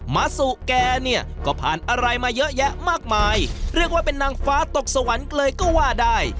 มะสุแกเนี่ยก็ผ่านอะไรมาเยอะแยะมากมายเรียกว่าเป็นนางฟ้าตกสวรรค์เลยก็ว่าได้